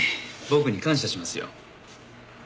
僕に感謝しますよ。